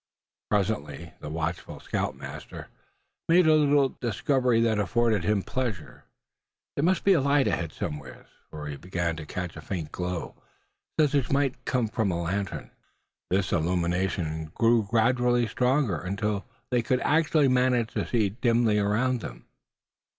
Presently the watchful scoutmaster made a little discovery that afforded him pleasure. There must be a light ahead somewhere, for he began to catch a faint glow, such as might come from a lantern. This illumination grew gradually stronger, until they could actually manage to see dimly around them.